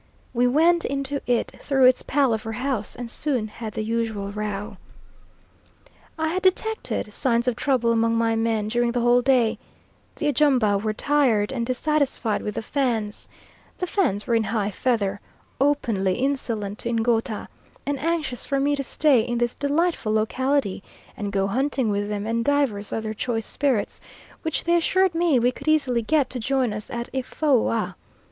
We went into it through its palaver house, and soon had the usual row. I had detected signs of trouble among my men during the whole day; the Ajumba were tired, and dissatisfied with the Fans; the Fans were in high feather, openly insolent to Ngouta, and anxious for me to stay in this delightful locality, and go hunting with them and divers other choice spirits, whom they assured me we could easily get to join us at Efoua.